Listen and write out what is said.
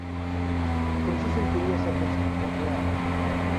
Com se sentiria si aquest fos real?